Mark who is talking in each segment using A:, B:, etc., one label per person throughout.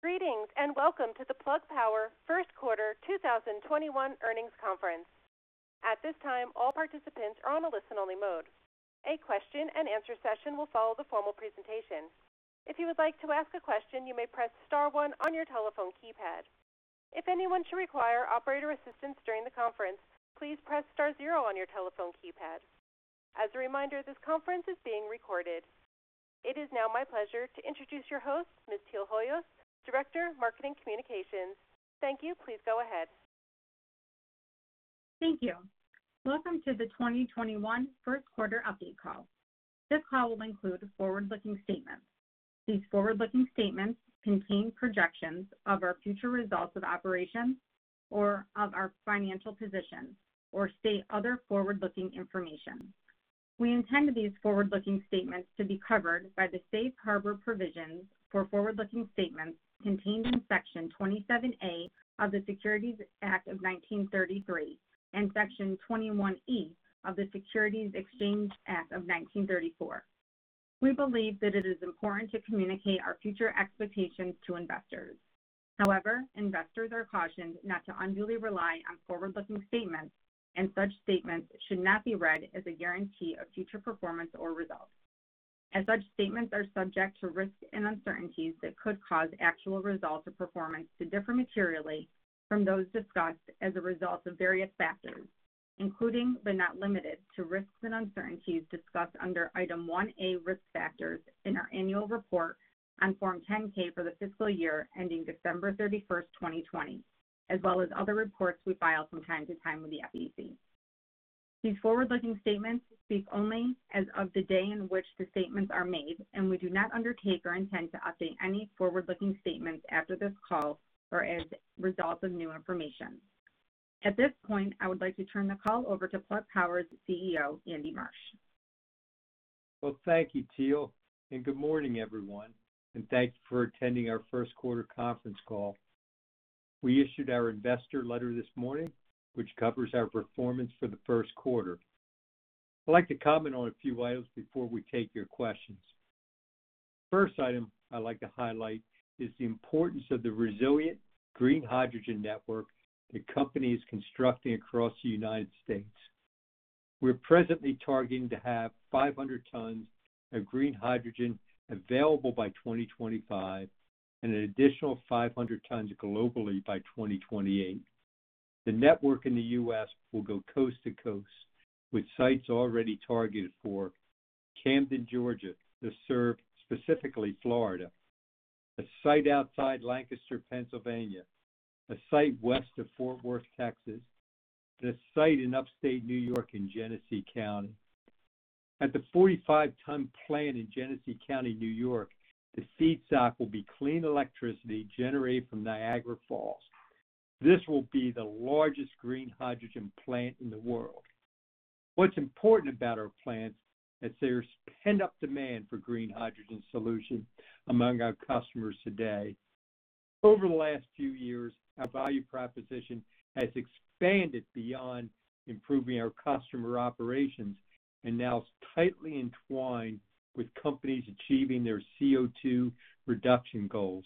A: Greetings, welcome to the Plug Power first quarter 2021 earnings conference. At this time, all participants are in a listen-only mode. A question-and-answer session will follow after the presentation. If you would like to ask a question, you may press star one on your telephone keypad. If anyone should require operator's assistance during the conference, please press star zero on your telephone keypad. As a reminder, this conference is being recorded. It is now my pleasure to introduce your host, Ms. Teal Hoyos, Director of Marketing Communications. Thank you. Please go ahead.
B: Thank you. Welcome to the 2021 first quarter update call. This call will include forward-looking statements. These forward-looking statements contain projections of our future results of operations or of our financial positions or state other forward-looking information. We intend these forward-looking statements to be covered by the safe harbor provisions for forward-looking statements contained in Section 27A of the Securities Act of 1933 and Section 21E of the Securities Exchange Act of 1934. We believe that it is important to communicate our future expectations to investors. Investors are cautioned not to unduly rely on forward-looking statements, and such statements should not be read as a guarantee of future performance or results, as such statements are subject to risks and uncertainties that could cause actual results or performance to differ materially from those discussed as a result of various factors, including but not limited to risks and uncertainties discussed under Item 1A Risk Factors in our annual report on Form 10-K for the fiscal year ending December 31st, 2020, as well as other reports we file from time to time with the SEC. These forward-looking statements speak only as of the day on which the statements are made, and we do not undertake or intend to update any forward-looking statements after this call or as a result of new information. At this point, I would like to turn the call over to Plug Power's CEO, Andy Marsh.
C: Well, thank you, Teal, and good morning, everyone, and thank you for attending our first quarter conference call. We issued our investor letter this morning, which covers our performance for the first quarter. I'd like to comment on a few items before we take your questions. First item I'd like to highlight is the importance of the resilient green hydrogen network the company is constructing across the U.S. We're presently targeting to have 500 tons of green hydrogen available by 2025 and an additional 500 tons globally by 2028. The network in the U.S. will go coast to coast with sites already targeted for Camden, Georgia, to serve specifically Florida, a site outside Lancaster, Pennsylvania, a site west of Fort Worth, Texas, and a site in upstate New York in Genesee County. At the 45-ton plant in Genesee County, New York, the feedstock will be clean electricity generated from Niagara Falls. This will be the largest green hydrogen plant in the world. What's important about our plants is there's pent-up demand for green hydrogen solutions among our customers today. Over the last few years, our value proposition has expanded beyond improving our customer operations and now is tightly entwined with companies achieving their CO2 reduction goals.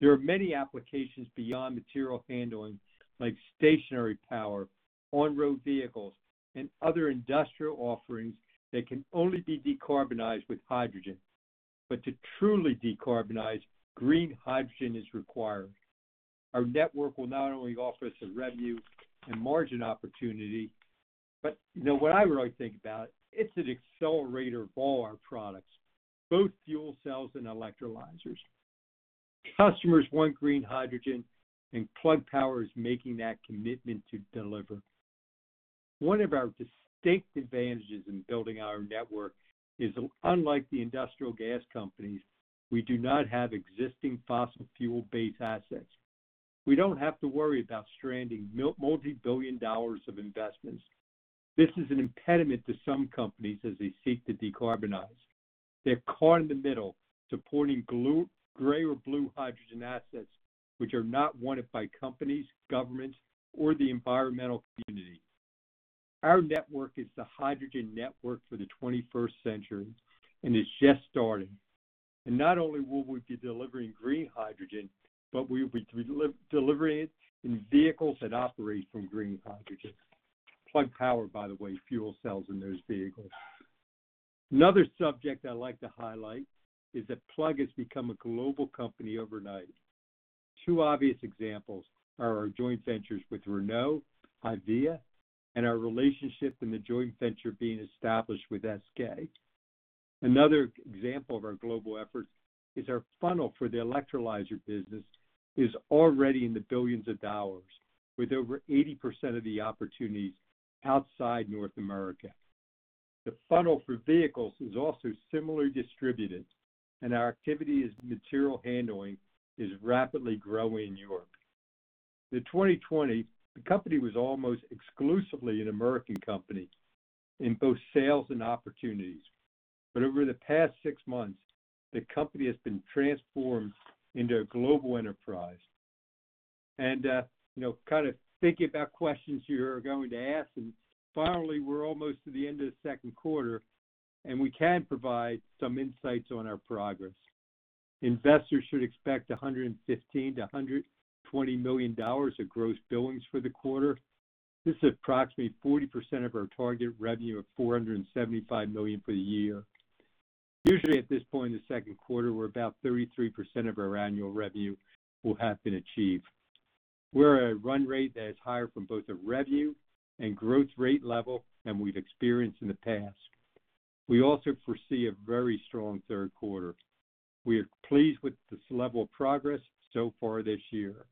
C: There are many applications beyond material handling, like stationary power, on-road vehicles, and other industrial offerings that can only be decarbonized with hydrogen. To truly decarbonize, green hydrogen is required. Our network will not only offer us a revenue and margin opportunity, but what I really think about it's an accelerator of all our products, both fuel cells and electrolyzers. Customers want green hydrogen, and Plug Power is making that commitment to deliver. One of our distinct advantages in building our network is, unlike the industrial gas companies, we do not have existing fossil fuel-based assets. We don't have to worry about stranding multi-billion dollars of investments. This is an impediment to some companies as they seek to decarbonize. They're caught in the middle, supporting gray or blue hydrogen assets, which are not wanted by companies, governments, or the environmental community. Our network is the hydrogen network for the 21st century, and it's just starting. Not only will we be delivering green hydrogen, but we'll be delivering it in vehicles that operate from green hydrogen. Plug Power, by the way, fuel cells in those vehicles. Another subject I'd like to highlight is that Plug has become a global company overnight. Two obvious examples are our joint ventures with Renault, HYVIA, and our relationship and the joint venture being established with SK. Another example of our global efforts is our funnel for the electrolyzer business is already in the billions of dollars, with over 80% of the opportunities outside North America. The funnel for vehicles is also similarly distributed, and our activity as material handling is rapidly growing in Europe. In 2020, the company was almost exclusively an American company in both sales and opportunities. Over the past six months, the company has been transformed into a global enterprise. Think about questions you are going to ask. Finally, we're almost to the end of the second quarter, and we can provide some insights on our progress. Investors should expect $115 million-$120 million of gross billings for the quarter. This is approximately 40% of our target revenue of $475 million for the year. Usually at this point in the second quarter, we're about 33% of our annual revenue will have been achieved. We're at a run rate that is higher from both a revenue and growth rate level than we've experienced in the past. We also foresee a very strong third quarter. We are pleased with this level of progress so far this year.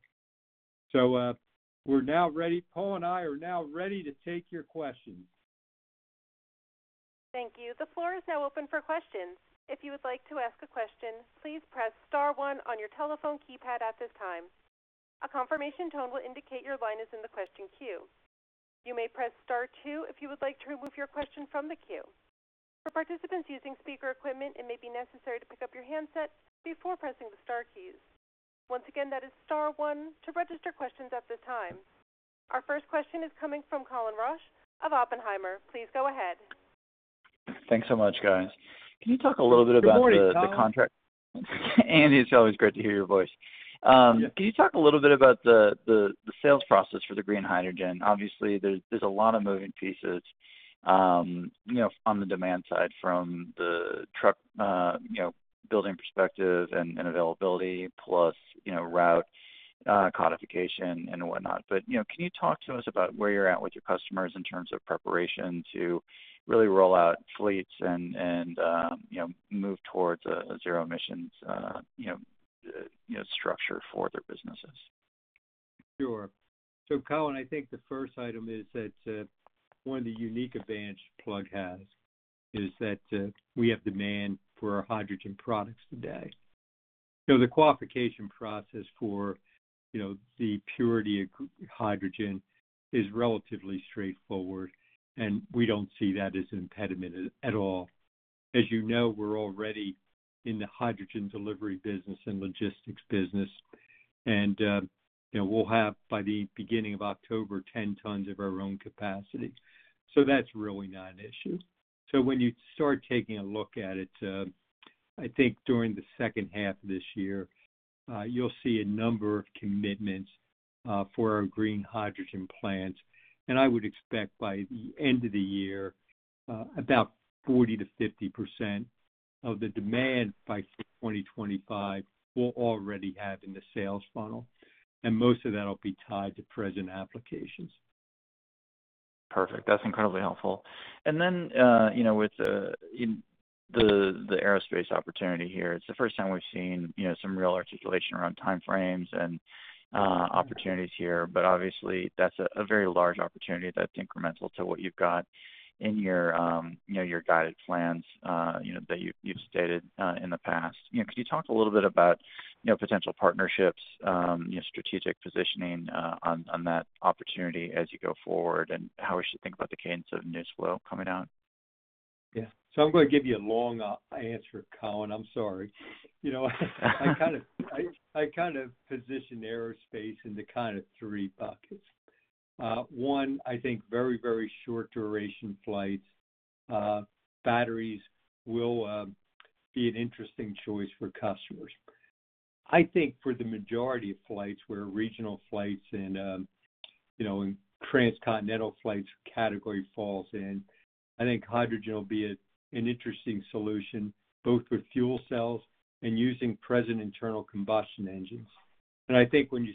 C: Paul and I are now ready to take your questions.
A: Thank you. The floor is now open for questions. If you would like to ask a question, please press star one on your telephone keypad at this time. A confirmation tone will indicate your line is in the question queue. You may press star two if you would like to remove your question from the queue. For participants using speaker, it may be necessary to pick up your handset before pressing the star keys. Once again, that is star one to ask a question at this time. Our first question is coming from Colin Rusch of Oppenheimer. Please go ahead.
D: Thanks so much, guys.
C: Good morning, Colin.
D: Andy, it's always great to hear your voice. Can you talk a little bit about the sales process for the green hydrogen? Obviously, there's a lot of moving pieces on the demand side from the truck building perspective and availability plus route codification and whatnot. Can you talk to us about where you're at with your customers in terms of preparation to really roll out fleets and move towards a zero emissions structure for their businesses?
C: Sure. Colin, I think the first item is that one of the unique advantage Plug has is that we have demand for our hydrogen products today. The qualification process for the purity of hydrogen is relatively straightforward, and we don't see that as an impediment at all. As you know, we're already in the hydrogen delivery business and logistics business, and we'll have by the beginning of October, 10 tons of our own capacity. That's really not an issue. When you start taking a look at it, I think during the second half of this year, you'll see a number of commitments for our green hydrogen plants. I would expect by the end of the year, about 40%-50% of the demand by 2025, we'll already have in the sales funnel, and most of that will be tied to present applications.
D: Perfect. That's incredibly helpful. With the aerospace opportunity here, it's the first time we've seen some real articulation around timeframes and opportunities here, but obviously that's a very large opportunity that's incremental to what you've got in your guided plans that you've stated in the past. Can you talk a little bit about potential partnerships, strategic positioning on that opportunity as you go forward and how we should think about the cadence of news flow coming out?
C: Yeah. I'm going to give you a long answer, Colin, I'm sorry. I position aerospace into three buckets. One, I think very short duration flights, batteries will be an interesting choice for customers. I think for the majority of flights where regional flights and transcontinental flights category falls in, I think hydrogen will be an interesting solution both with fuel cells and using present internal combustion engines. I think when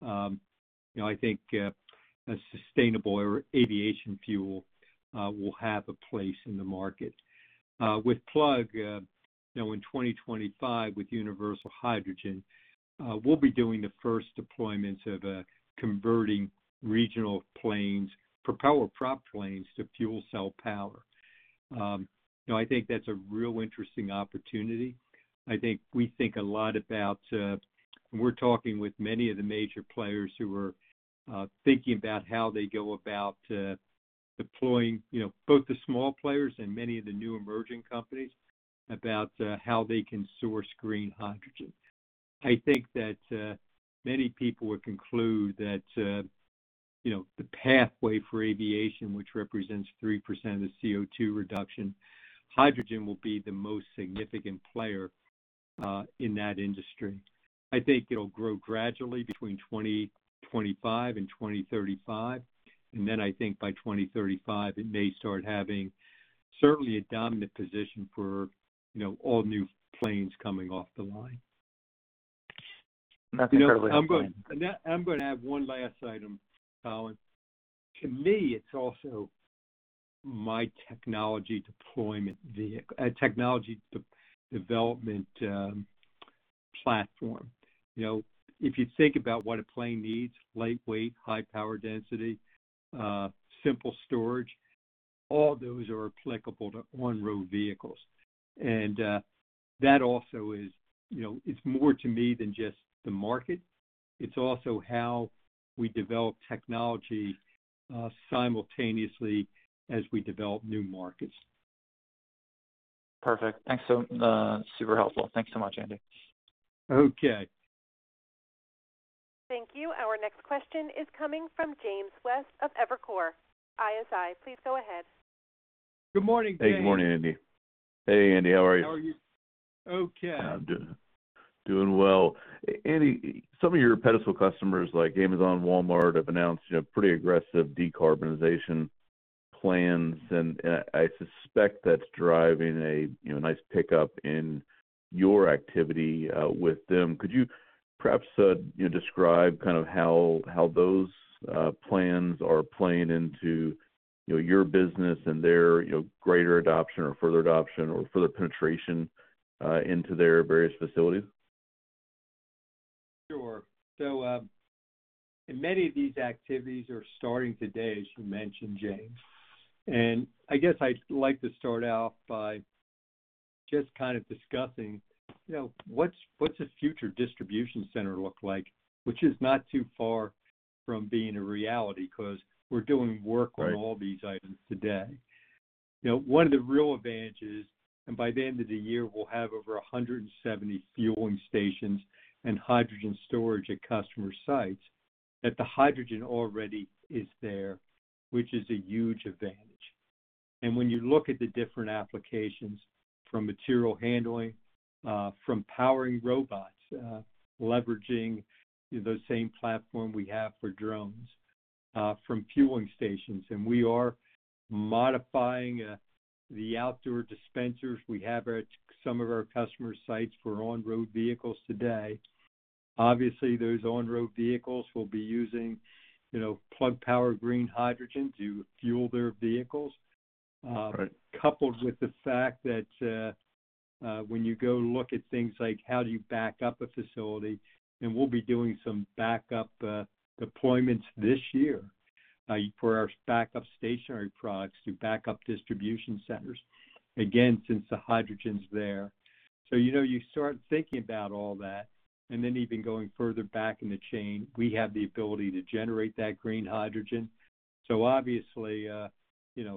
C: you start talking about long range, I think a sustainable aviation fuel will have a place in the market. With Plug, in 2025 with Universal Hydrogen, we'll be doing the first deployments of converting regional planes, propeller prop planes to fuel cell power. I think that's a real interesting opportunity. I think we think a lot about, we're talking with many of the major players who are thinking about how they go about deploying both the small players and many of the new emerging companies about how they can source green hydrogen. I think that many people would conclude that the pathway for aviation, which represents 3% of CO2 reduction, hydrogen will be the most significant player in that industry. I think it'll grow gradually between 2025 and 2035, and then I think by 2035, it may start having certainly a dominant position for all new planes coming off the line.
D: That's incredibly helpful.
C: I'm going to add one last item, Colin. To me, it's also my technology development platform. If you think about what a plane needs, lightweight, high power density, simple storage, all those are applicable to on-road vehicles. That also is more to me than just the market. It's also how we develop technology simultaneously as we develop new markets.
D: Perfect. Thanks. Super helpful. Thanks so much, Andy.
C: Okay.
A: Thank you. Our next question is coming from James West of Evercore ISI. Please go ahead.
C: Good morning, James.
E: Good morning, Andy. Hey, Andy. How are you?
C: How are you? Okay.
E: I'm doing well. Andy, some of your pedestal customers like Amazon and Walmart have announced pretty aggressive decarbonization plans. I suspect that's driving a nice pickup in your activity with them. Could you perhaps describe how those plans are playing into your business and their greater adoption or further adoption or penetration into their various facilities?
C: Sure. Many of these activities are starting today, as you mentioned, James, and I guess I'd like to start off by just discussing what's a future distribution center look like, which is not too far from being a reality because we're doing work on all these items today. One of the real advantages, and by the end of the year, we'll have over 170 fueling stations and hydrogen storage at customer sites, that the hydrogen already is there, which is a huge advantage. When you look at the different applications from material handling, from powering robots, leveraging the same platform we have for drones, from fueling stations, and we are modifying the outdoor dispensers we have at some of our customer sites for on-road vehicles today. Obviously, those on-road vehicles will be using Plug Power green hydrogen to fuel their vehicles.
E: Right.
C: Coupled with the fact that when you go look at things like how do you back up a facility, and we'll be doing some backup deployments this year for our backup stationary products to back up distribution centers, again, since the hydrogen's there. You start thinking about all that, and then even going further back in the chain, we have the ability to generate that green hydrogen. Obviously, the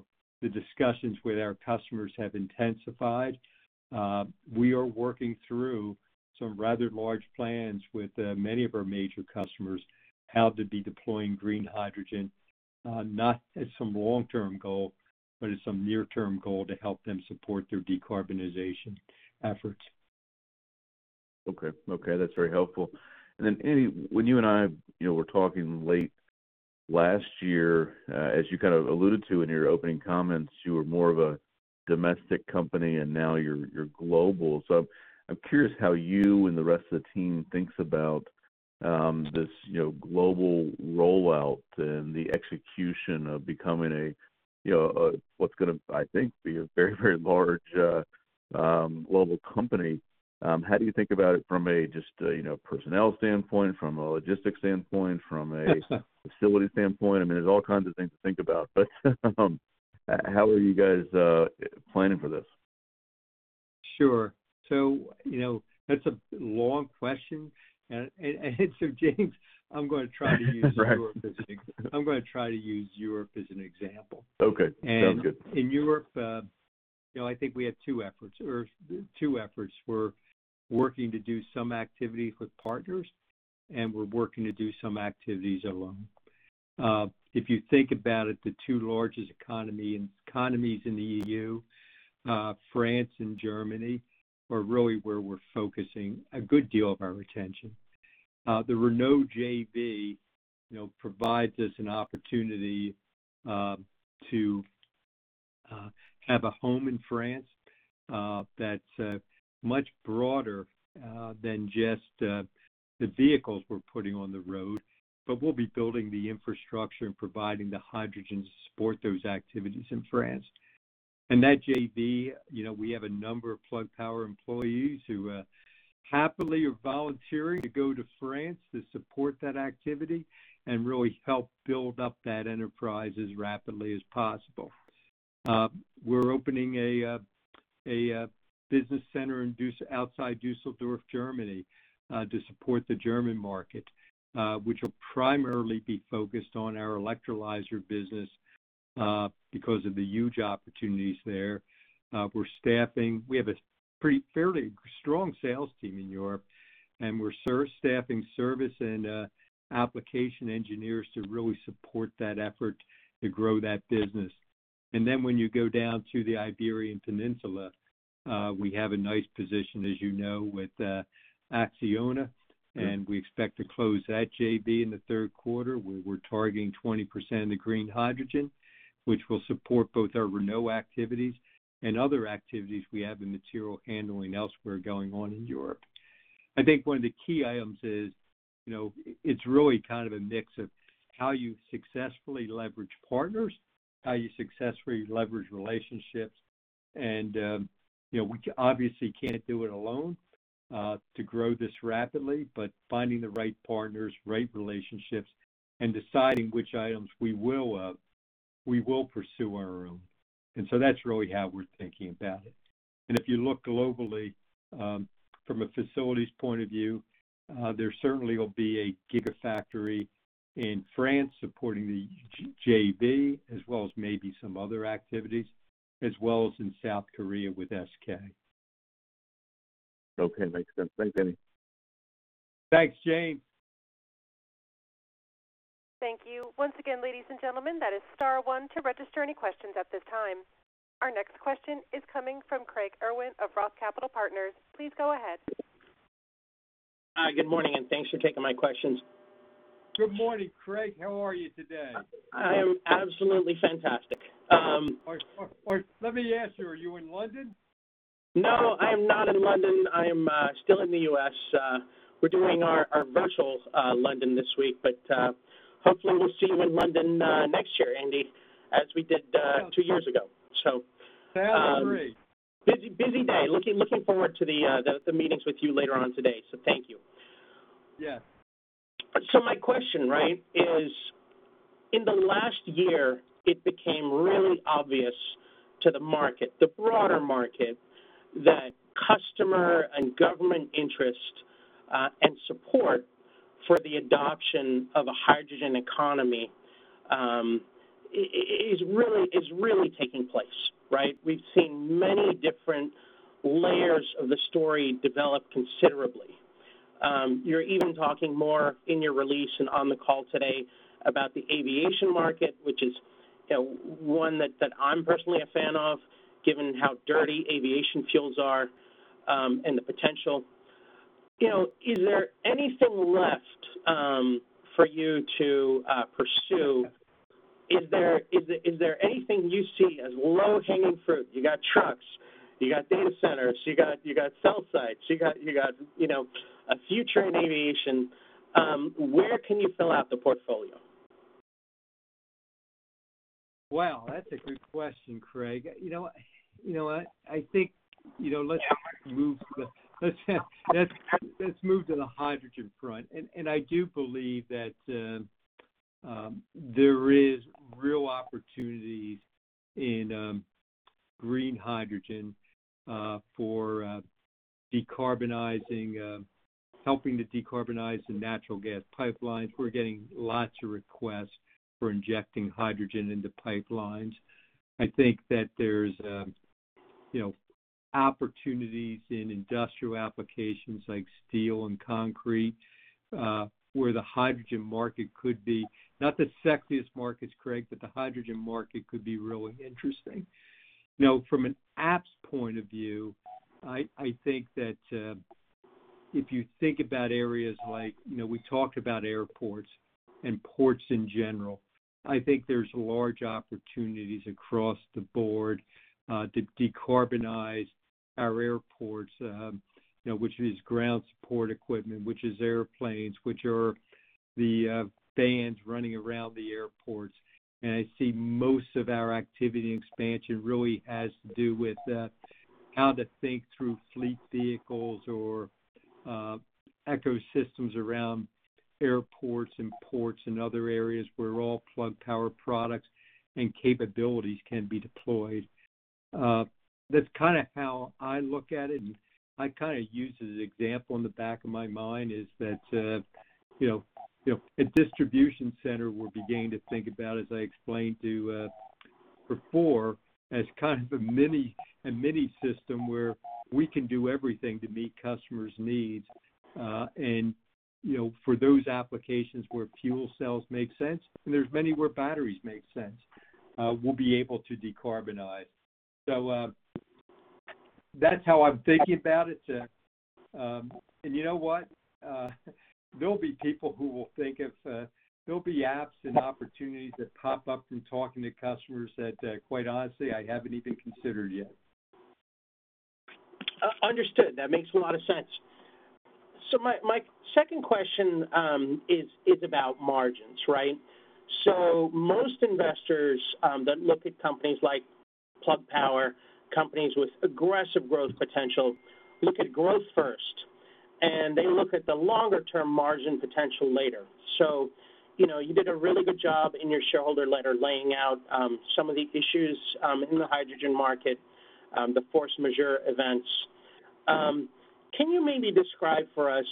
C: discussions with our customers have intensified. We are working through some rather large plans with many of our major customers how to be deploying green hydrogen, not as some long-term goal, but as some near-term goal to help them support their decarbonization efforts.
E: Okay. That's very helpful. Andy, when you and I were talking late last year, as you kind of alluded to in your opening comments, you were more of a domestic company, and now you're global. I'm curious how you and the rest of the team think about this global rollout and the execution of becoming what's going to, I think, be a very, very large global company. How do you think about it from a just a personnel standpoint, from a logistics standpoint, from a facility standpoint? I mean, there's all kinds of things to think about, but how are you guys planning for this?
C: Sure. That's a long question, James, I'm going to try to use Europe as an example.
E: Okay. Sounds good.
C: In Europe, I think we have two efforts. We're working to do some activities with partners, and we're working to do some activities alone. If you think about it, the two largest economies in the EU, France and Germany, are really where we're focusing a good deal of our attention. The Renault JV provides us an opportunity to have a home in France that's much broader than just the vehicles we're putting on the road, but we'll be building the infrastructure and providing the hydrogen to support those activities in France. In that JV, we have a number of Plug Power employees who happily are volunteering to go to France to support that activity and really help build up that enterprise as rapidly as possible. We're opening a business center outside Düsseldorf, Germany, to support the German market, which will primarily be focused on our electrolyzer business because of the huge opportunities there. We have a fairly strong sales team in Europe, and we're staffing service and application engineers to really support that effort to grow that business. When you go down to the Iberian Peninsula, we have a nice position, as you know, with ACCIONA, and we expect to close that JV in the third quarter, where we're targeting 20% of the green hydrogen, which will support both our Renault activities and other activities we have in material handling elsewhere going on in Europe. I think one of the key items is, it's really kind of a mix of how you successfully leverage partners, how you successfully leverage relationships, and we obviously can't do it alone to grow this rapidly, but finding the right partners, right relationships, and deciding which items we will pursue on our own. That's really how we're thinking about it. If you look globally from a facilities point of view, there certainly will be a gigafactory in France, supporting the JV, as well as maybe some other activities, as well as in South Korea with SK.
E: Okay. Thanks, Andy.
C: Thanks, James.
A: Thank you. Once again, ladies and gentlemen, that is star one to register any question at this time. Our next question is coming from Craig Irwin of Roth Capital Partners. Please go ahead.
F: Good morning. Thanks for taking my questions.
C: Good morning, Craig. How are you today?
F: I'm absolutely fantastic.
C: Let me ask you, are you in London?
F: No, I'm not in London. I'm still in the U.S. We're doing our virtual London this week, but hopefully we'll see you in London next year, Andy, as we did two years ago.
C: Yeah. Great.
F: Busy day. Looking forward to the meetings with you later on today, so thank you.
C: Yeah.
F: My question is, in the last year, it became really obvious to the market, the broader market, that customer and government interest and support for the adoption of a hydrogen economy is really taking place, right? We've seen many different layers of the story develop considerably. You're even talking more in your release and on the call today about the aviation market, which is one that I'm personally a fan of, given how dirty aviation fuels are and the potential. Is there anything left for you to pursue? Is there anything you see as low-hanging fruit? You got trucks, you got data centers, you got cell sites, you got a future in aviation. Where can you fill out the portfolio?
C: Wow, that's a good question, Craig. I think let's move to the hydrogen front. I do believe that there is real opportunity in green hydrogen for helping to decarbonize the natural gas pipelines. We're getting lots of requests for injecting hydrogen into pipelines. I think that there's opportunities in industrial applications like steel and concrete, where the hydrogen market could be, not the sexiest markets, Craig, but the hydrogen market could be really interesting. From an apps point of view, I think that if you think about areas like, we talked about airports and ports in general. I think there's large opportunities across the board to decarbonize our airports, which is ground support equipment, which is airplanes, which are the vans running around the airports. I see most of our activity and expansion really has to do with how to think through fleet vehicles or ecosystems around airports and ports and other areas where all Plug Power products and capabilities can be deployed. That's how I look at it, and I use as an example in the back of my mind is that a distribution center we're beginning to think about, as I explained before, as kind of a mini system where we can do everything to meet customers' needs. For those applications where fuel cells make sense, and there's many where batteries make sense, we'll be able to decarbonize. That's how I'm thinking about it. You know what? There'll be apps and opportunities that pop up from talking to customers that, quite honestly, I haven't even considered yet.
F: Understood. That makes a lot of sense. My second question is about margins, right? Most investors that look at companies like Plug Power, companies with aggressive growth potential, look at growth first, and they look at the longer-term margin potential later. You did a really good job in your shareholder letter laying out some of the issues in the hydrogen market, the force majeure events. Can you maybe describe for us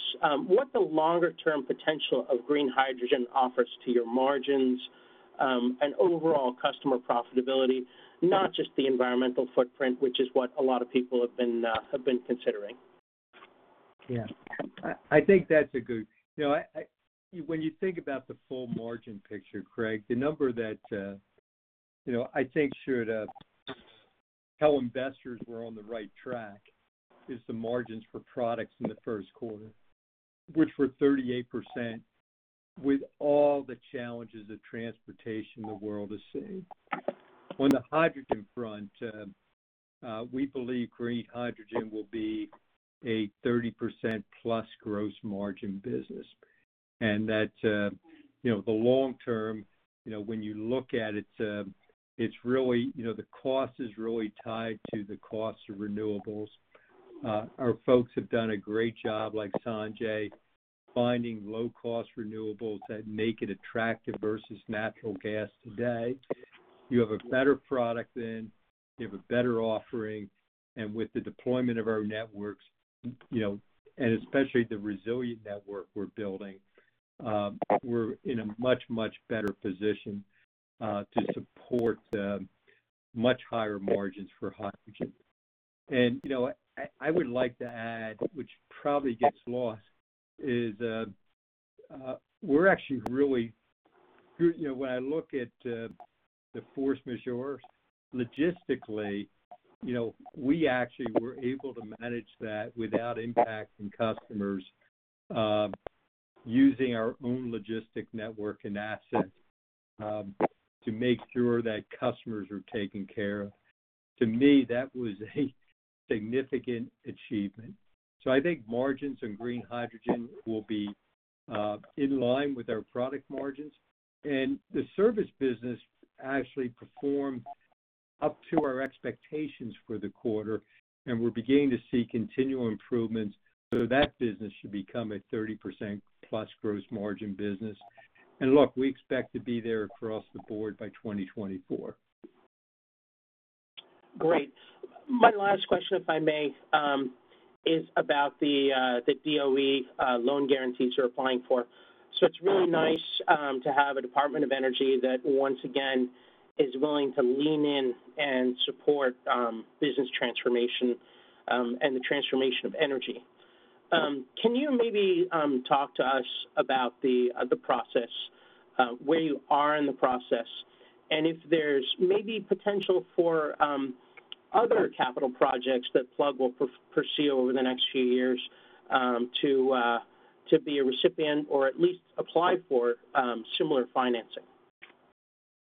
F: what the longer-term potential of green hydrogen offers to your margins and overall customer profitability, not just the environmental footprint, which is what a lot of people have been considering?
C: Yeah. I think that's a good-- you know, when you think about the full margin picture, Craig, the number that I think should tell investors we're on the right track is the margins for products in the first quarter, which were 38%, with all the challenges of transportation the world has seen. On the hydrogen front, we believe green hydrogen will be a 30%+ gross margin business, and that the long term, when you look at it, the cost is really tied to the cost of renewables. Our folks have done a great job, like Sanjay, finding low-cost renewables that make it attractive versus natural gas today. You have a better product than. We have a better offering. With the deployment of our networks, and especially the resilient network we're building, we're in a much, much better position to support the much higher margins for hydrogen. I would like to add, which probably gets lost, is when I look at the force majeure, logistically, we actually were able to manage that without impacting customers using our own logistic network and assets to make sure that customers were taken care of. To me, that was a significant achievement. I think margins in green hydrogen will be in line with our product margins. The service business actually performed up to our expectations for the quarter, and we're beginning to see continual improvements. That business should become a 30%+ gross margin business. Look, we expect to be there across the board by 2024.
F: Great. My last question, if I may, is about the DOE loan guarantees you're applying for. It's really nice to have a Department of Energy that once again is willing to lean in and support business transformation and the transformation of energy. Can you maybe talk to us about the process, where you are in the process, and if there's maybe potential for other capital projects that Plug will pursue over the next few years to be a recipient or at least apply for similar financing?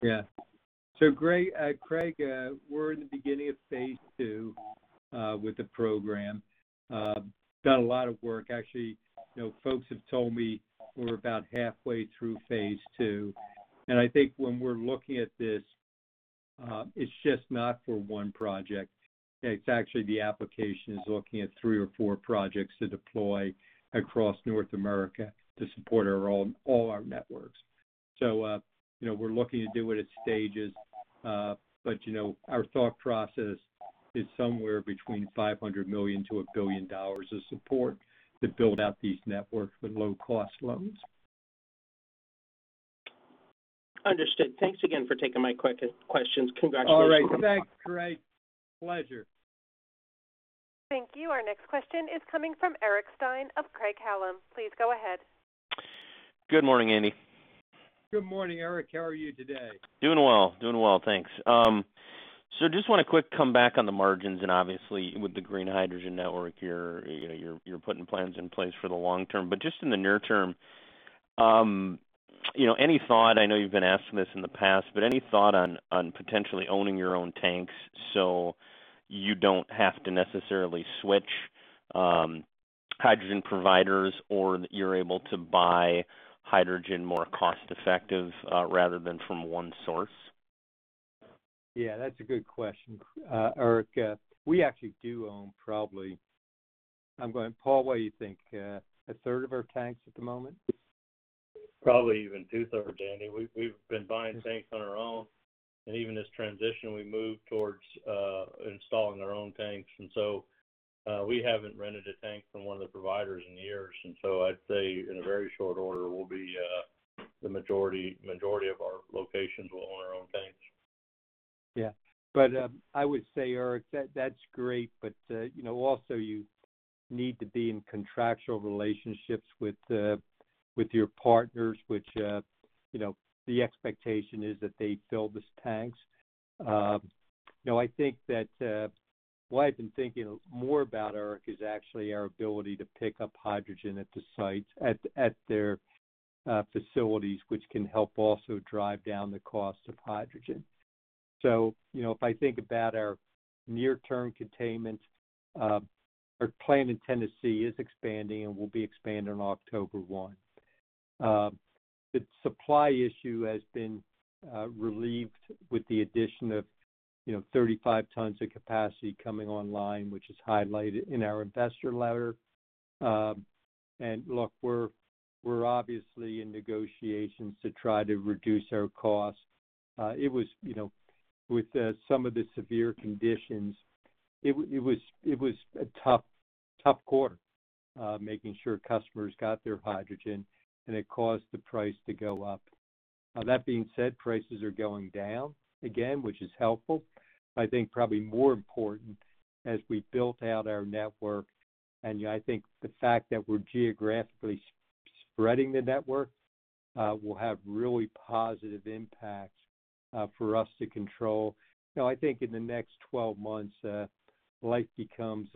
C: Yeah. Craig, we're in the beginning of phase II with the program. Done a lot of work, actually. Folks have told me we're about halfway through phase II. I think when we're looking at this, it's just not for one project. It's actually the application is looking at three or four projects to deploy across North America to support all our networks. We're looking to do it in stages. Our thought process is somewhere between $500 million-$1 billion of support to build out these networks with low-cost loans.
F: Understood. Thanks again for taking my questions. Congratulations.
C: All right, thanks, Craig. Pleasure.
A: Thank you. Our next question is coming from Eric Stine of Craig-Hallum. Please go ahead.
G: Good morning, Andy.
C: Good morning, Eric. How are you today?
G: Doing well. Doing well, thanks. Just want to quick come back on the margins, and obviously with the green hydrogen network, you're putting plans in place for the long term. Just in the near term, any thought, I know you've been asked this in the past, but any thought on potentially owning your own tanks so you don't have to necessarily switch hydrogen providers or that you're able to buy hydrogen more cost-effective rather than from one source?
C: Yeah, that's a good question, Eric. We actually do own probably, Paul, what do you think, a third of our tanks at the moment?
H: Probably even 2/3, Andy. We've been buying tanks on our own. Even this transition, we moved towards installing our own tanks. We haven't rented a tank from one of the providers in years. I'd say in a very short order, the majority of our locations will own their own tanks.
C: I would say, Eric, that's great. Also you need to be in contractual relationships with your partners, which the expectation is that they fill these tanks. I think that what I've been thinking more about, Eric, is actually our ability to pick up hydrogen at their facilities, which can help also drive down the cost of hydrogen. If I think about our near-term containments, our plant in Tennessee is expanding and will be expanding on October 1. The supply issue has been relieved with the addition of 35 tons of capacity coming online, which is highlighted in our investor letter. Look, we're obviously in negotiations to try to reduce our costs. With some of the severe conditions, it was a tough quarter making sure customers got their hydrogen, and it caused the price to go up. That being said, prices are going down again, which is helpful. I think probably more important as we built out our network, and I think the fact that we're geographically spreading the network will have really positive impacts for us to control. I think in the next 12 months, life becomes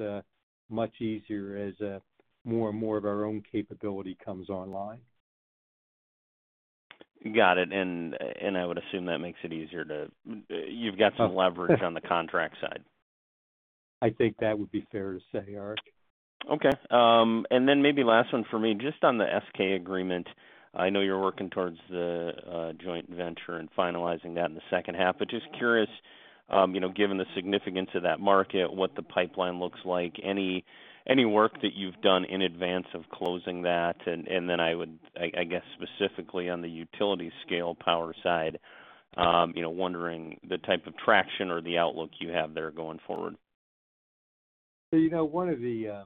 C: much easier as more and more of our own capability comes online.
G: Got it. I would assume that makes it easier to, you've got some leverage on the contract side.
C: I think that would be fair to say, Eric.
G: Okay. Maybe last one for me, just on the SK agreement. I know you're working towards the joint venture and finalizing that in the second half, but just curious, given the significance of that market, what the pipeline looks like, any work that you've done in advance of closing that, and then I would, I guess specifically on the utility scale power side, wondering the type of traction or the outlook you have there going forward.
C: One of the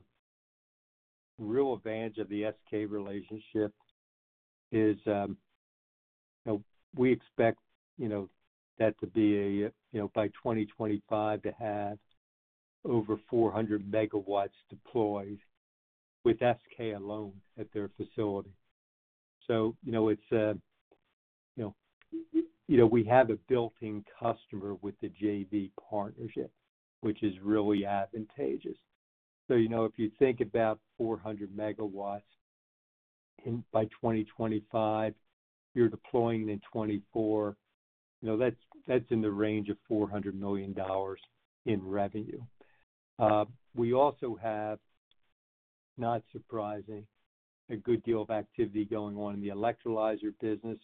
C: real advantage of the SK relationship is we expect that to be by 2025 to have over 400 MW deployed with SK alone at their facility. We have a built-in customer with the JV partnership, which is really advantageous. If you think about 400 MW by 2025, you're deploying in 2024, that's in the range of $400 million in revenue. We also have, not surprising, a good deal of activity going on in the electrolyzer business,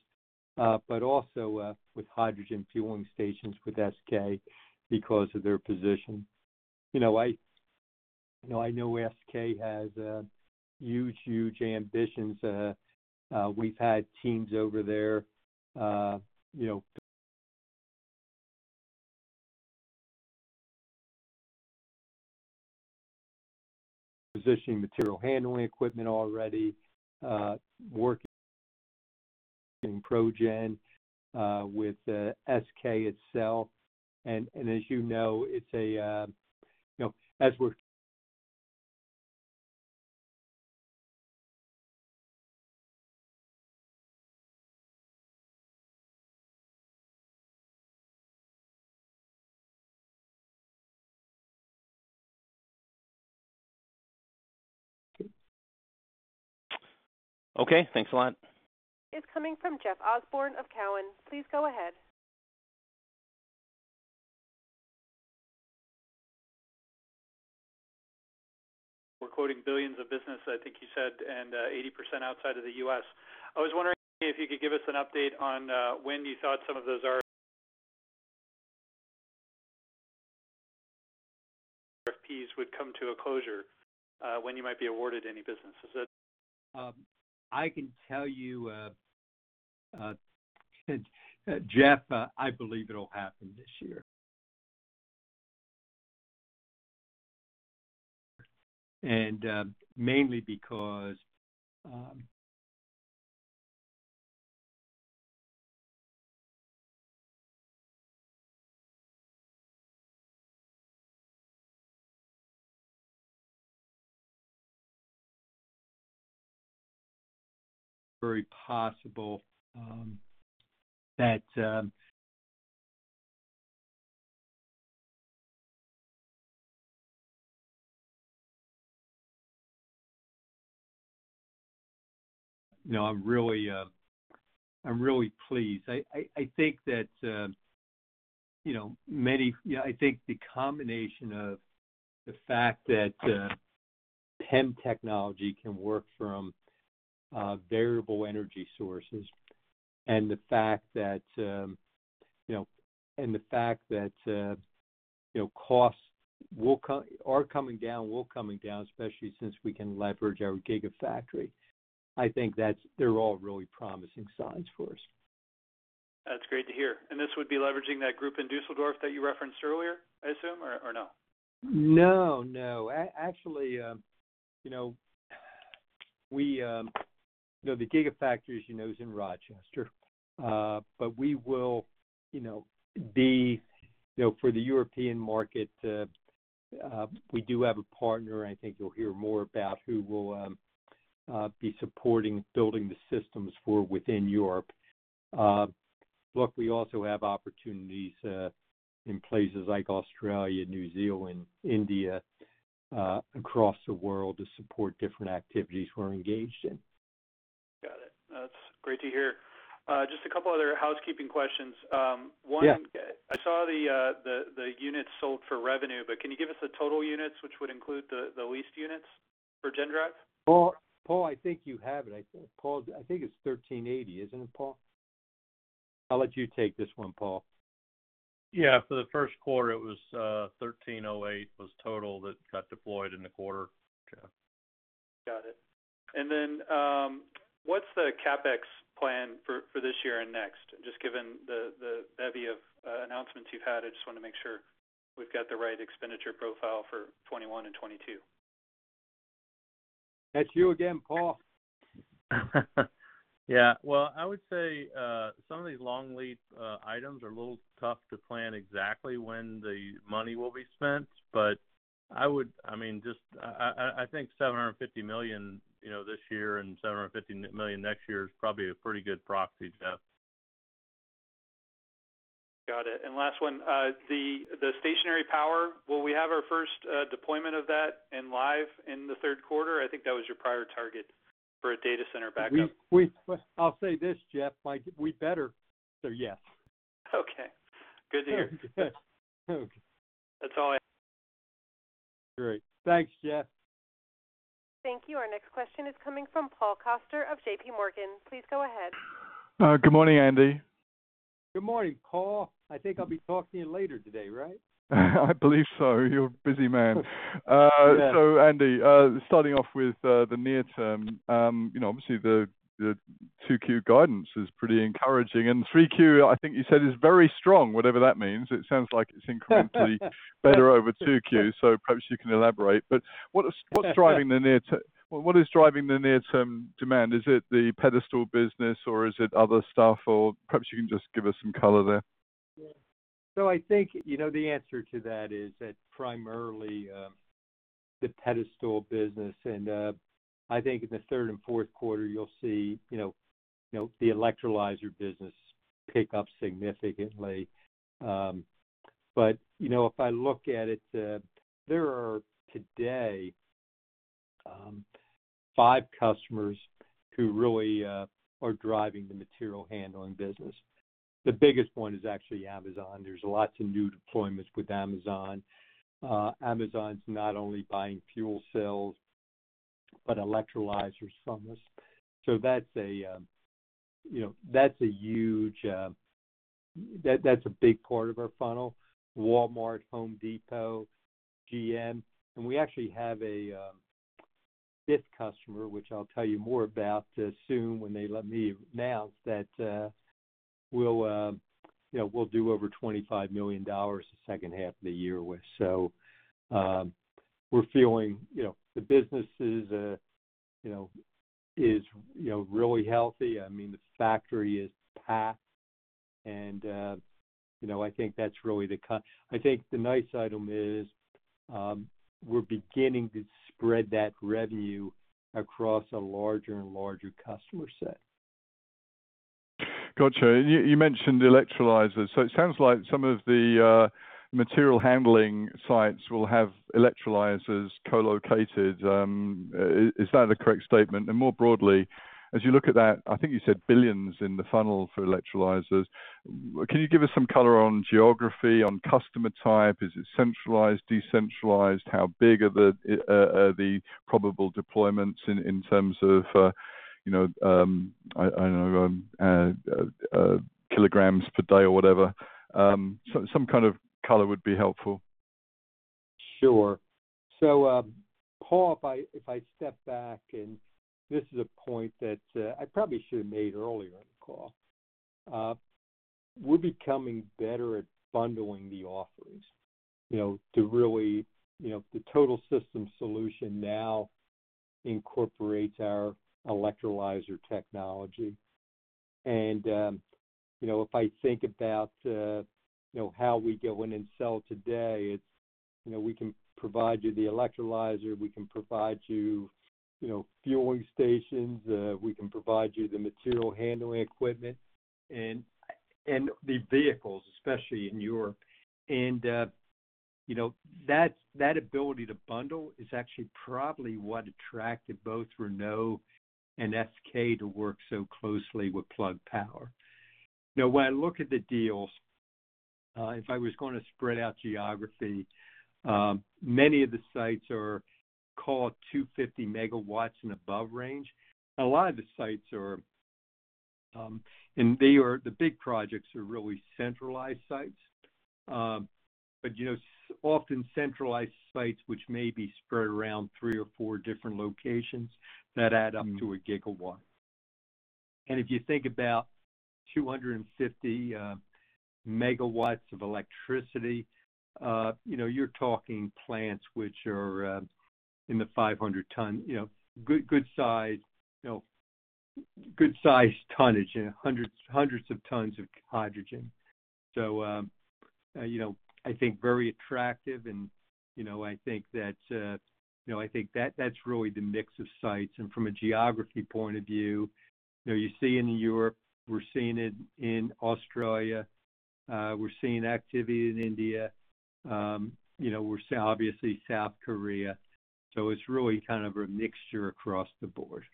C: but also with hydrogen fueling stations with SK because of their position. I know SK has huge ambitions. We've had teams over there positioning material handling equipment already, working ProGen with SK itself. As you know, it's a-
G: Okay. Thanks a lot.
A: It's coming from Jeff Osborne of Cowen. Please go ahead.
I: We're quoting billions of business, I think you said, and 80% outside of the U.S. I was wondering if you could give us an update on when you thought some of those RFPs would come to a closure, when you might be awarded any business.
C: I can tell you, Jeff, I believe it'll happen this year. Mainly because it's very possible that I'm really pleased. I think the combination of the fact that PEM technology can work from variable energy sources and the fact that costs are coming down, especially since we can leverage our gigafactory. I think they're all really promising signs for us.
I: That's great to hear. This would be leveraging that group in Düsseldorf that you referenced earlier, I assume, or no?
C: No, actually, the gigafactory as you know is in Rochester. For the European market, we do have a partner, I think you'll hear more about who will be supporting building the systems for within Europe. Look, we also have opportunities in places like Australia, New Zealand, India, across the world to support different activities we're engaged in.
I: Got it. That's great to hear. Just a couple other housekeeping questions.
C: Yeah.
I: One, I saw the units sold for revenue, but can you give us the total units which would include the leased units for GenDrive?
C: Paul, I think you have it. Paul, I think it's 1,380, isn't it, Paul? I'll let you take this one, Paul.
H: Yeah, for the first quarter it was 1,308 was total that got deployed in the quarter. Okay.
I: Got it. What's the CapEx plan for this year and next? Just given the bevy of announcements you've had, I just want to make sure we've got the right expenditure profile for 2021 and 2022.
C: It's you again, Paul.
H: Yeah. Well, I would say, some of these long lead items are a little tough to plan exactly when the money will be spent, but I think $750 million this year and $750 million next year is probably a pretty good proxy, Jeff.
I: Got it. Last one, the stationary power, will we have our first deployment of that in live in the third quarter? I think that was your prior target for a data center backup.
C: I'll say this, Jeff, we better. yes.
I: Okay. Good to hear.
C: Okay.
I: That's all I had.
C: Great. Thanks, Jeff.
A: Thank you. Our next question is coming from Paul Coster of JPMorgan. Please go ahead.
J: Good morning, Andy.
C: Good morning, Paul. I think I'll be talking to you later today, right?
J: I believe so. You're a busy man.
C: Yeah.
J: Andy, starting off with the near term, obviously the 2Q guidance is pretty encouraging. 3Q, I think you said is very strong, whatever that means. It sounds like it's incredibly better over 2Q, so perhaps you can elaborate. What is driving the near term demand? Is it the pedestal business or is it other stuff? Perhaps you can just give us some color there.
C: Yeah. I think, the answer to that is that primarily, the pedestal business, and I think in the third and fourth quarter you'll see the electrolyzer business pick up significantly. If I look at it, there are today, five customers who really are driving the material handling business. The biggest one is actually Amazon. There's lots of new deployments with Amazon. Amazon's not only buying fuel cells, but electrolyzers from us. That's a big part of our funnel. Walmart, Home Depot, GM, and we actually have a fifth customer, which I'll tell you more about soon when they let me announce, that we'll do over $25 million the second half of the year with. We're feeling the business is really healthy. The factory is packed and I think the nice item is, we're beginning to spread that revenue across a larger and larger customer set.
J: Got you. You mentioned electrolyzers, it sounds like some of the material handling sites will have electrolyzers co-located. Is that a correct statement? More broadly, as you look at that, I think you said billions in the funnel for electrolyzers. Can you give us some color on geography, on customer type? Is it centralized, decentralized? How big are the probable deployments in terms of kilograms per day or whatever? Some kind of color would be helpful.
C: Sure. Paul, if I step back and this is a point that I probably should've made earlier in the call. We're becoming better at bundling the offerings. The Total System Solution now incorporates our electrolyzer technology. If I think about how we go in and sell today, it's we can provide you the electrolyzer, we can provide you fueling stations, we can provide you the material handling equipment and the vehicles, especially in Europe. That ability to bundle is actually probably what attracted both Renault and SK to work so closely with Plug Power. When I look at the deals, if I was going to spread out geography, many of the sites are called 250 MW and above range. The big projects are really centralized sites. Just often centralized sites, which may be spread around three or four different locations that add up to a gigawatt. If you think about 250 MW of electricity, you're talking plants which are in the 500-ton, good size tonnage, hundreds of tons of hydrogen. I think very attractive and I think that's really the mix of sites. From a geography point of view, you see it in Europe, we're seeing it in Australia, we're seeing activity in India. Obviously South Korea, so it's really kind of a mixture across the board.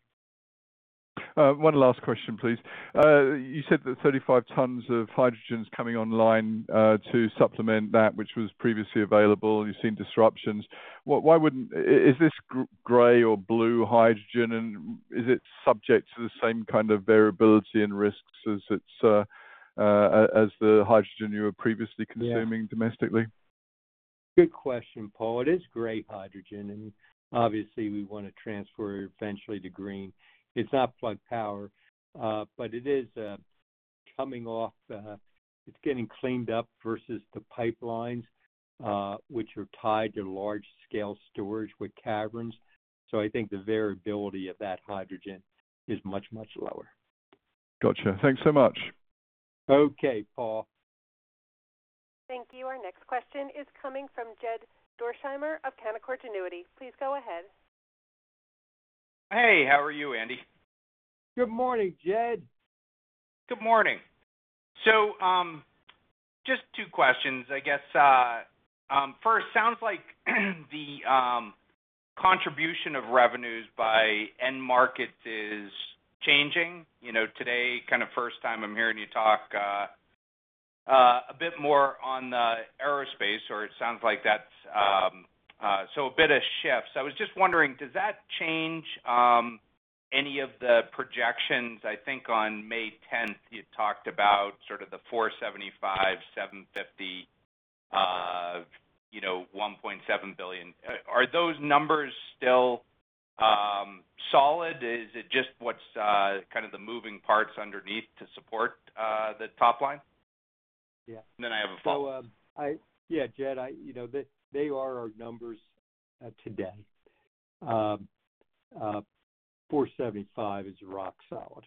J: One last question, please. You said that 35 tons of hydrogen's coming online to supplement that which was previously available, and you've seen disruptions. Is this gray or blue hydrogen, and is it subject to the same kind of variability and risks as the hydrogen you were previously consuming domestically?
C: Good question, Paul. It is gray hydrogen. Obviously we want to transfer eventually to green. It's not Plug Power. It is coming off, it's getting cleaned up versus the pipelines, which are tied to large scale storage with caverns. I think the variability of that hydrogen is much, much lower.
J: Got you. Thanks so much.
C: Okay, Paul.
A: Thank you. Our next question is coming from Jed Dorsheimer of Canaccord Genuity. Please go ahead.
K: Hey, how are you, Andy?
C: Good morning, Jed.
K: Good morning. Just two questions. I guess, first, sounds like the contribution of revenues by end market is changing. Today, kind of first time I'm hearing you talk a bit more on the aerospace, or it sounds like that's a bit of shift. I was just wondering, does that change any of the projections? I think on May 10th, you talked about sort of the $475 million, $750 million, $1.7 billion. Are those numbers still solid? Is it just what's kind of the moving parts underneath to support the top line?
C: Yeah.
K: I have a follow-up.
C: Yeah, Jed, they are our numbers today. $475 million is rock solid.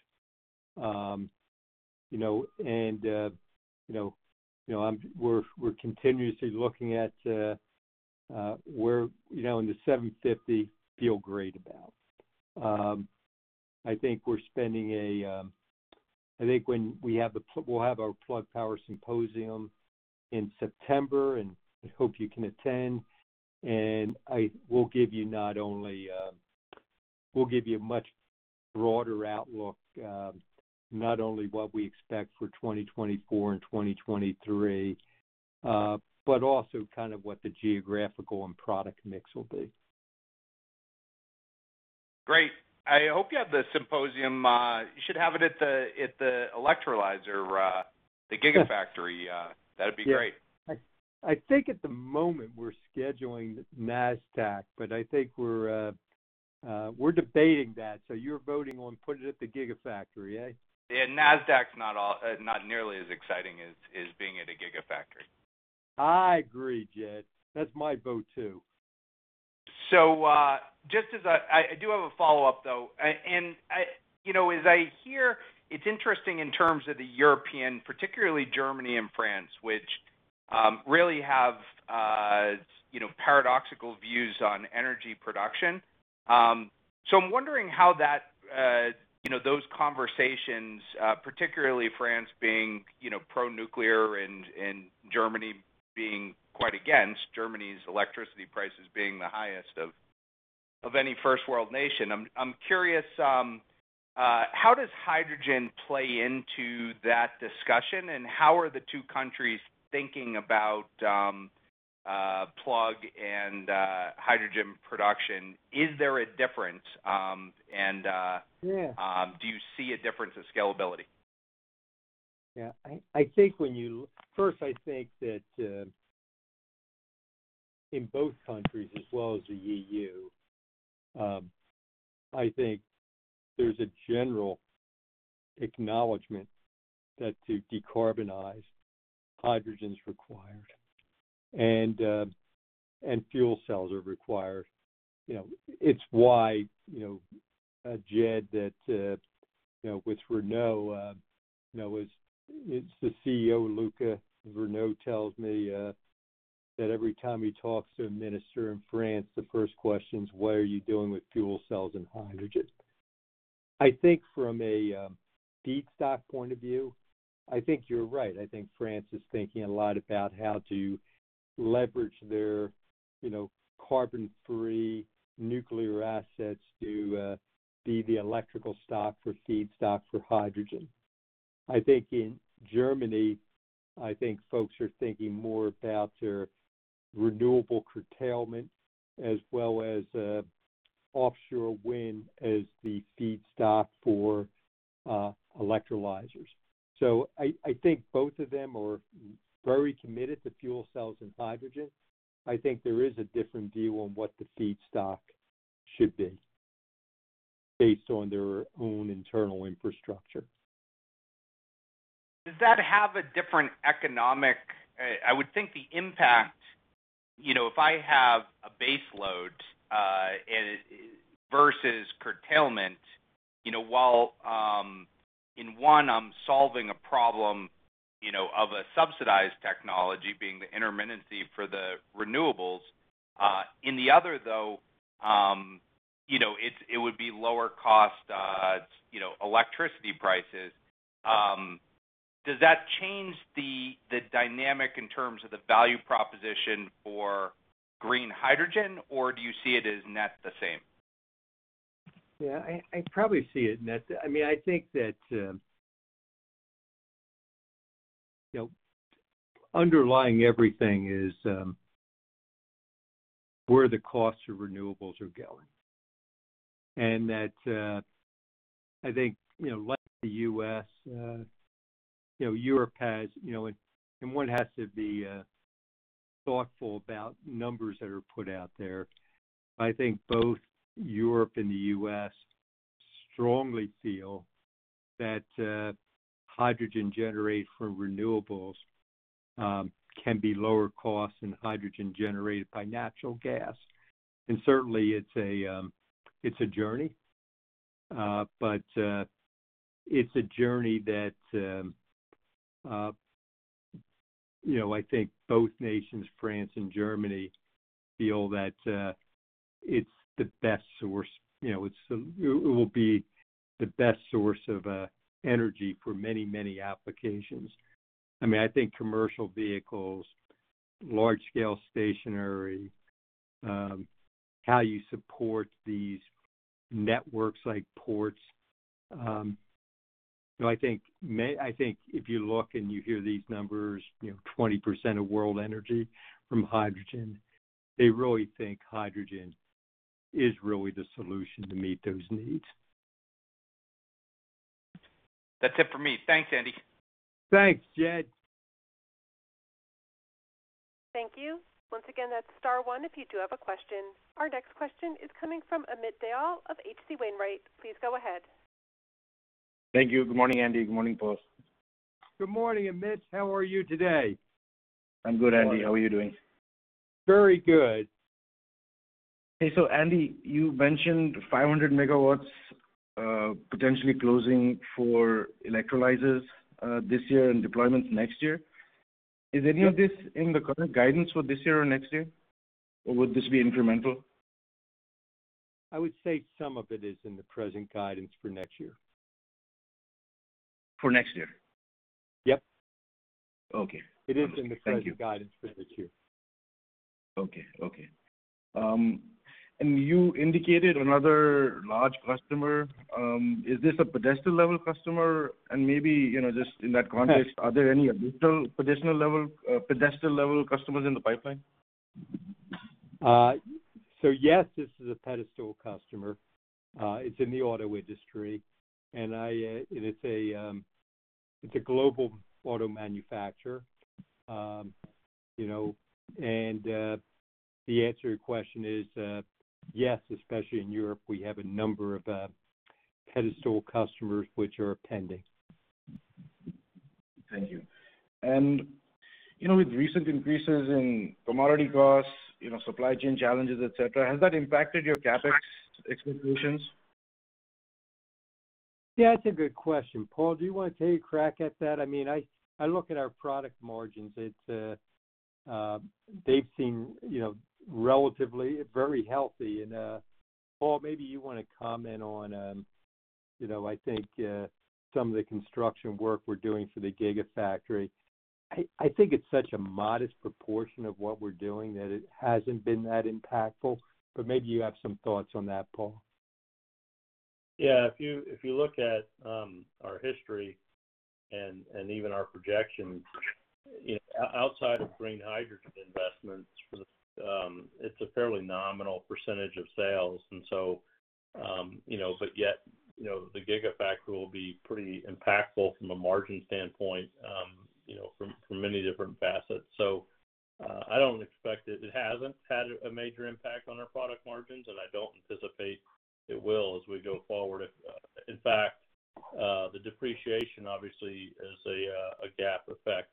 C: We're continuously looking at the $750 million, feel great about. I think when we'll have our Plug Power symposium in September, and I hope you can attend. We'll give you a much broader outlook, not only what we expect for 2024 and 2023, but also what the geographical and product mix will be.
K: Great. I hope you have the symposium. You should have it at the electrolyzer, the gigafactory. That'd be great.
C: I think at the moment we're scheduling Nasdaq, but I think we're debating that, so you're voting on putting it at the gigafactory, eh?
K: Yeah, Nasdaq's not nearly as exciting as being at a gigafactory.
C: I agree, Jed. That's my vote, too.
K: I do have a follow-up, though. As I hear, it's interesting in terms of the European, particularly Germany and France, which really have paradoxical views on energy production. I'm wondering how those conversations, particularly France being pro-nuclear and Germany being quite against, Germany's electricity prices being the highest of any first-world nation. I'm curious, how does hydrogen play into that discussion, and how are the two countries thinking about Plug and hydrogen production? Is there a difference?
C: Yeah.
K: Do you see a difference in scalability?
C: Yeah. First, I think that in both countries, as well as the EU, I think there's a general acknowledgment that to decarbonize, hydrogen's required, and fuel cells are required. It's why, Jed, with Renault, the CEO, Luca. Renault tells me that every time he talks to a minister in France, the first question is, "What are you doing with fuel cells and hydrogen?" I think from a feedstock point of view, I think you're right. I think France is thinking a lot about how to leverage their carbon-free nuclear assets to be the electrical stock for feedstock for hydrogen. I think in Germany, I think folks are thinking more about their renewable curtailment as well as offshore wind as the feedstock for electrolyzers. I think both of them are very committed to fuel cells and hydrogen. I think there is a different view on what the feedstock should be based on their own internal infrastructure.
K: I would think the impact, if I have a base load versus curtailment, while in one I am solving a problem of a subsidized technology being the intermittency for the renewables. In the other, though, it would be lower cost electricity prices. Does that change the dynamic in terms of the value proposition for green hydrogen, or do you see it as net the same?
C: Yeah, I probably see it net. I think that underlying everything is where the cost of renewables are going, and that I think, like the U.S., Europe has, and one has to be thoughtful about numbers that are put out there. I think both Europe and the U.S. strongly feel that hydrogen generated from renewables can be lower cost than hydrogen generated by natural gas. Certainly it's a journey, but it's a journey that I think both nations, France and Germany, feel that it will be the best source of energy for many, many applications. I think commercial vehicles, large-scale stationary, how you support these networks like ports. I think if you look and you hear these numbers, 20% of world energy from hydrogen, they really think hydrogen is really the solution to meet those needs.
K: That's it for me. Thanks, Andy.
C: Thanks, Jed.
A: Thank you. Once again, that's star one if you do have a question. Our next question is coming from Amit Dayal of H.C. Wainwright. Please go ahead.
L: Thank you. Good morning, Andy. Good morning, Paul.
C: Good morning, Amit. How are you today?
L: I'm good, Andy. How are you doing?
C: Very good.
L: Andy, you mentioned 500 MW potentially closing for electrolyzers this year and deployment next year. Is any of this in the current guidance for this year or next year, or would this be incremental?
C: I would say some of it is in the present guidance for next year.
L: For next year?
C: Yep.
L: Okay.
C: It is in the present guidance for this year.
L: Okay. You indicated another large customer. Is this a pedestal-level customer?
C: Yes.
L: Are there any additional pedestal-level customers in the pipeline?
C: Yes, this is a pedestal customer. It's in the auto industry, and it's a global auto manufacturer. The answer to your question is yes, especially in Europe, we have a number of pedestal customers which are pending.
L: Thank you. With recent increases in commodity costs, supply chain challenges, et cetera, has that impacted your CapEx executions?
C: Yeah, that's a good question. Paul, do you want to take a crack at that? I look at our product margins, they seem relatively very healthy. Paul, maybe you want to comment on, I think, some of the construction work we're doing for the gigafactory. I think it's such a modest proportion of what we're doing that it hasn't been that impactful, but maybe you have some thoughts on that, Paul.
H: If you look at our history and even our projections, outside of green hydrogen investments, it's a fairly nominal percentage of sales. Yet, the gigafactory will be pretty impactful from a margin standpoint from many different facets. I don't expect it. It hasn't had a major impact on our product margins, and I don't anticipate it will as we go forward. In fact, the depreciation obviously is a GAAP effect,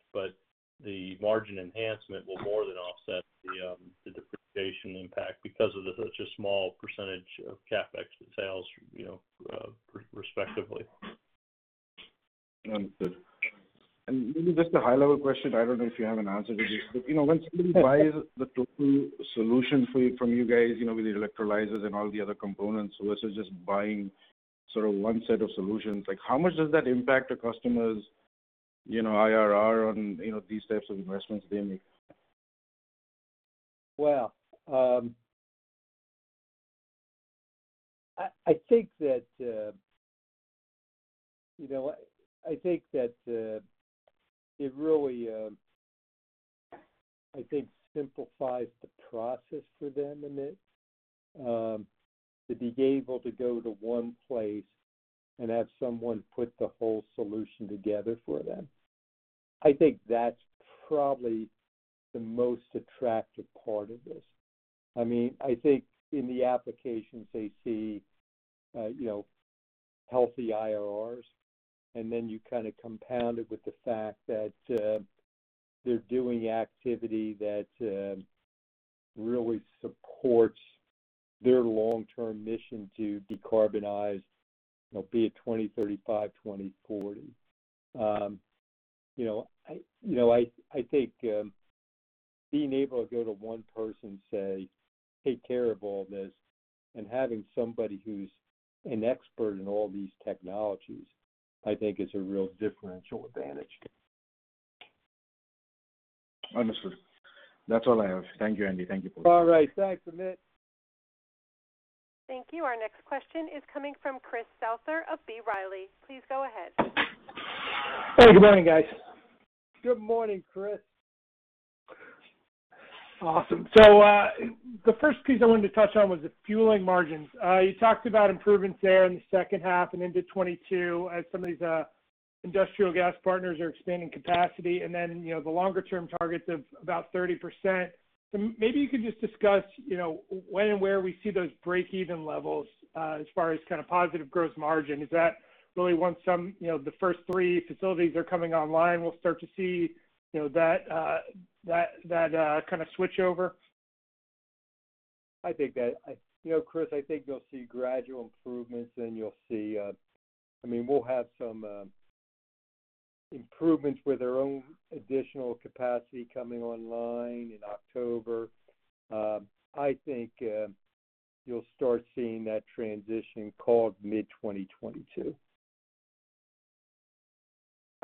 H: the margin enhancement will more than offset the depreciation impact because of such a small percentage of CapEx to sales respectively.
L: Understood. Maybe just a high-level question. I don't know if you have an answer to this. Once somebody buys the Total System Solution suite from you guys, with the electrolyzers and all the other components, so this is just buying one set of solutions. How much does that impact a customer's IRR on these types of investments they make?
C: I think that it really simplifies the process for them in it. To be able to go to one place and have someone put the whole solution together for them, I think that's probably the most attractive part of this. I think in the applications they see healthy IRRs, and then you compound it with the fact that they're doing activity that really supports their long-term mission to decarbonize, be it 2035, 2040. I think being able to go to one person and say, "Take care of all this," and having somebody who's an expert in all these technologies, I think is a real differential advantage.
L: Understood. That's all I have. Thank you, Andy. Thank you, Paul.
C: All right. Thanks, Amit.
A: Thank you. Our next question is coming from Chris Souther of B. Riley. Please go ahead.
M: Hey, good morning, guys.
C: Good morning, Chris.
M: Awesome. The first piece I wanted to touch on was the fueling margins. You talked about improvements there in the second half and into 2022 as some of these industrial gas partners are expanding capacity. The longer-term targets of about 30%. Maybe you can just discuss when and where we see those breakeven levels as far as positive gross margin. Is that really once the first three facilities are coming online, we'll start to see that kind of switchover?
C: Chris, I think you'll see gradual improvements, and you'll see we'll have some improvements with our own additional capacity coming online in October. I think you'll start seeing that transition called mid-2022.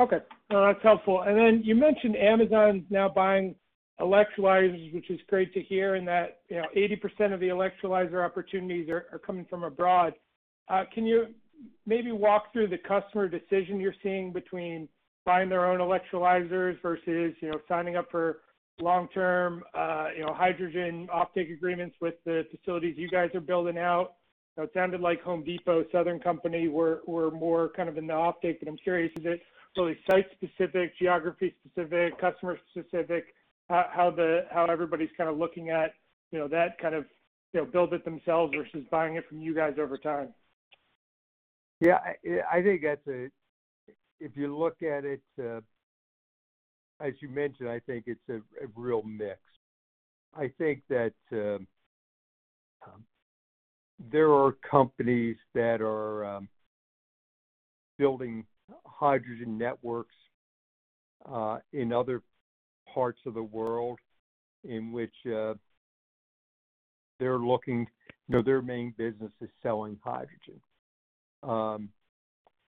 M: Okay. No, that's helpful. You mentioned Amazon's now buying electrolyzers, which is great to hear, and that 80% of the electrolyzer opportunities are coming from abroad. Can you maybe walk through the customer decision you're seeing between buying their own electrolyzers versus signing up for long-term hydrogen offtake agreements with the facilities you guys are building out? It sounded like Home Depot, Southern Company were more in the offtake, but I'm curious if it's really site specific, geography specific, customer specific, how everybody's looking at that kind of build it themselves versus buying it from you guys over time.
C: I think if you look at it, as you mentioned, I think it's a real mix. I think that there are companies that are building hydrogen networks in other parts of the world in which their main business is selling hydrogen.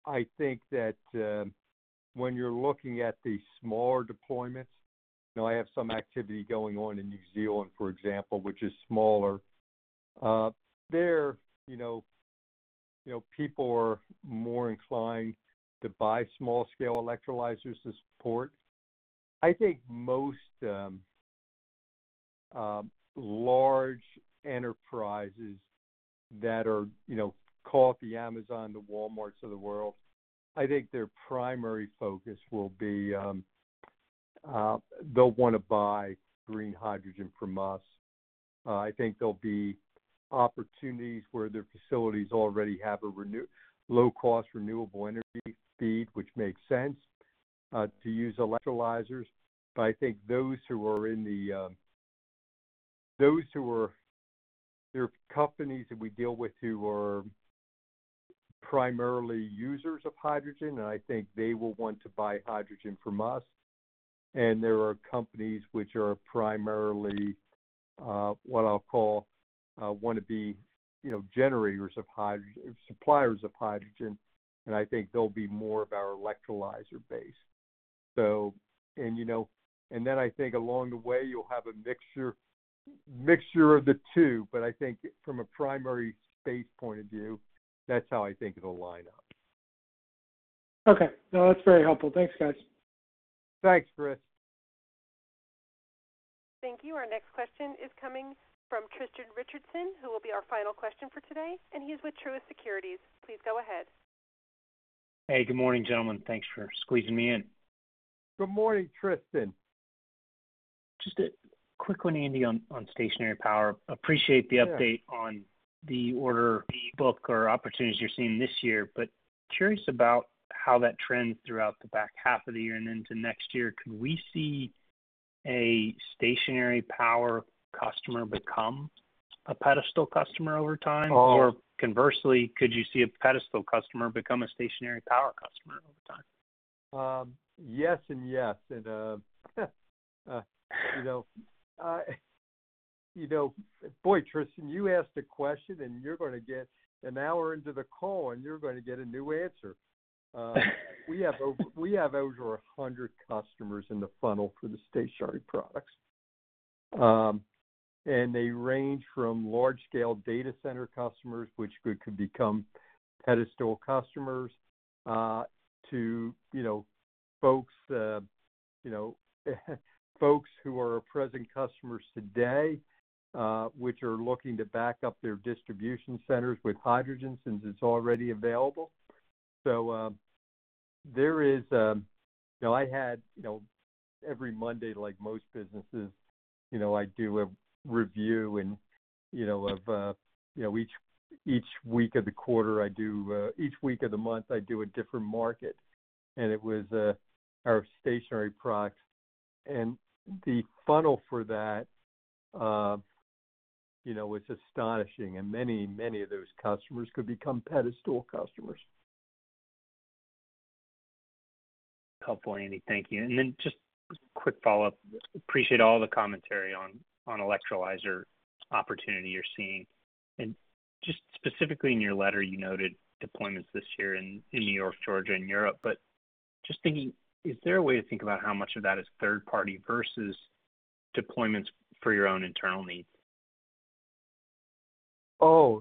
C: I think that when you're looking at the smaller deployments, I have some activity going on in New Zealand, for example, which is smaller. There, people are more inclined to buy small scale electrolyzers to support. I think most large enterprises that are call it the Amazon, the Walmarts of the world, I think their primary focus will be they'll want to buy green hydrogen from us. I think there'll be opportunities where their facilities already have a low cost renewable energy feed, which makes sense to use electrolyzers. I think there are companies that we deal with who are primarily users of hydrogen, and I think they will want to buy hydrogen from us. There are companies which are primarily, what I'll call, want to be suppliers of hydrogen, and I think they'll be more of our electrolyzer base. Then I think along the way, you'll have a mixture of the two, but I think from a primary space point of view, that's how I think it'll line up.
M: Okay. No, that's very helpful. Thanks, guys.
C: Thanks, Chris.
A: Thank you. Our next question is coming from Tristan Richardson, who will be our final question for today, and he's with Truist Securities. Please go ahead.
N: Hey, good morning, gentlemen. Thanks for squeezing me in.
C: Good morning, Tristan.
N: Just quick one, Andy, on stationary power. Appreciate the update-
C: Yeah.
N: ...on the order book or opportunities you're seeing this year, but curious about how that trends throughout the back half of the year and into next year. Could we see a stationary power customer become a pedestal customer over time?
C: Oh.
N: Conversely, could you see a pedestal customer become a stationary power customer over time?
C: Yes and yes. Boy, Tristan, you asked a question, and you're going to get an hour into the call, and you're going to get a new answer. We have over a hundred customers in the funnel for the stationary products. They range from large scale data center customers, which could become pedestal customers, to folks who are our present customers today, which are looking to back up their distribution centers with hydrogen since it's already available. Every Monday, like most businesses, I do a review, and each week of the month, I do a different market, and it was our stationary products. The funnel for that is astonishing. Many of those customers could become pedestal customers.
N: Helpful, Andy. Thank you. Then just quick follow-up. Appreciate all the commentary on electrolyzer opportunity you're seeing. Specifically in your letter, you noted deployments this year in New York, Georgia, and Europe. Just thinking, is there a way to think about how much of that is third party versus deployments for your own internal needs?
C: I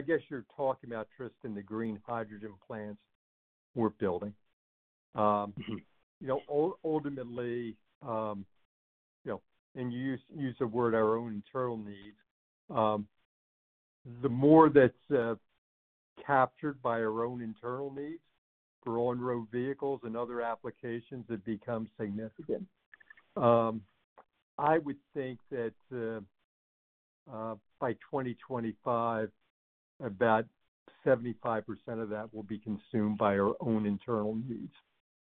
C: guess you're talking about, Tristan, the green hydrogen plants we're building. Ultimately, you used the word our own internal needs. The more that's captured by our own internal needs for on-road vehicles and other applications, it becomes significant. I would think that by 2025, about 75% of that will be consumed by our own internal needs,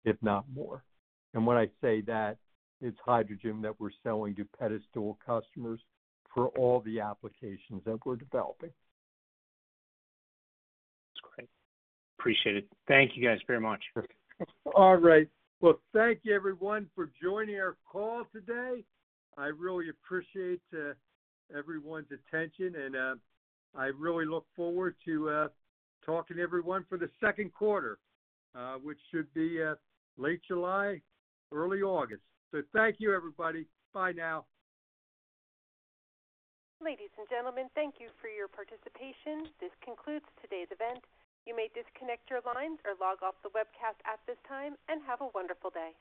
C: if not more. When I say that, it's hydrogen that we're selling to pedestal customers for all the applications that we're developing.
N: That's great. Appreciate it. Thank you guys very much.
C: All right. Well, thank you everyone for joining our call today. I really appreciate everyone's attention, and I really look forward to talking to everyone for the second quarter, which should be late July, early August. Thank you, everybody. Bye now.
A: Ladies and gentlemen, thank you for your participation. This concludes today's event. You may disconnect your lines or log off the webcast at this time, and have a wonderful day.